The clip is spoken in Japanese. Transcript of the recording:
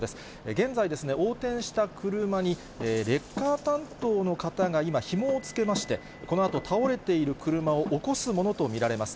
現在、横転した車にレッカー担当の方が今、ひもをつけまして、このあと、倒れている車を起こすものと見られます。